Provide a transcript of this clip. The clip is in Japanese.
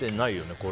これ。